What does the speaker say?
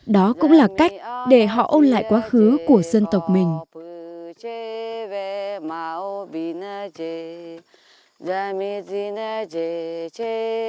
đó cũng là cách để họ ôn lại quá khứ của dân tộc mình